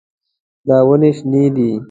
دا ونې شنې دي.